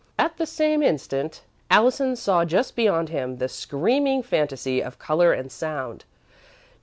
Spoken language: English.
At the same instant, Allison saw just beyond him, the screaming fantasy of colour and sound.